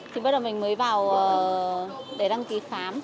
thì bắt đầu mình mới vào để đăng ký khám